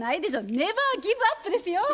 ネバーギブアップですよ。